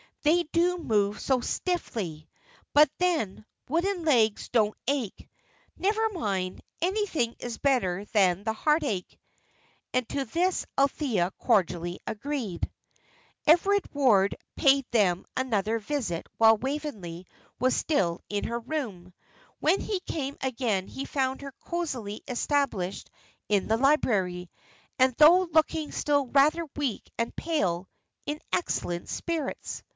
They do move so stiffly; but then, wooden legs don't ache. Never mind; anything is better than the heartache." And to this Althea cordially agreed. Everard Ward paid them another visit while Waveney was still in her room. When he came again he found her cosily established in the library, and, though looking still rather weak and pale, in excellent spirits.